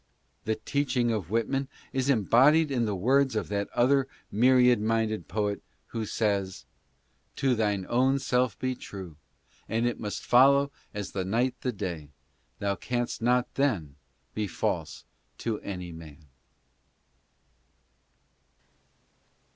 The teaching of Whitman is embodied in the words of that other myriad minded poet who says, " To thine own self be true, And it must follow as the night the day, Thou canst not then be false to any man."